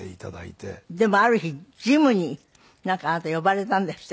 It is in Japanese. でもある日ジムになんかあなた呼ばれたんですって？